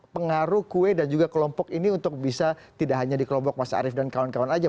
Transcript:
pengaruh kue dan juga kelompok ini untuk bisa tidak hanya di kelompok mas arief dan kawan kawan saja